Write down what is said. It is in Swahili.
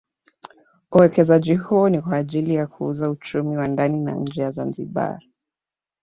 Uwekezaji huo ni kwa ajili ya kuuza uchumi wa ndani na nje ya Zanzibar